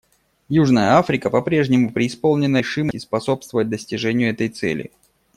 Южная Африка по-прежнему преисполнена решимости способствовать достижению этой цели.